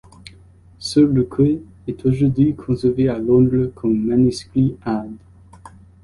Ce recueil est aujourd'hui conservé à Londres comme manuscrit Add.